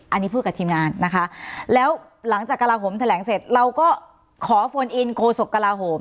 อันนี้พูดกับทีมงานนะคะแล้วหลังจากกระลาโหมแถลงเสร็จเราก็ขอโฟนอินโคศกกระลาโหม